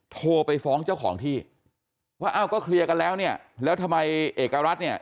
โทรไปฟ้องเจ้าของที่ว่าอ้าวก็เคลียร์กันแล้วเนี่ยแล้วทำไมเอกรัฐเนี่ย